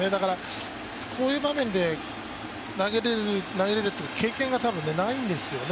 こういう場面で投げれるという経験が多分ないんですよね。